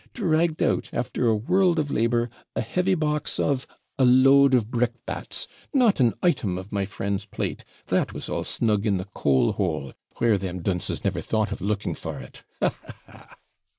ha! dragged out, after a world of labour, a heavy box of a load of brickbats; not an item of my friend's plate that was all snug in the coal hole, where them dunces never thought of looking for it. Ha! ha! ha!'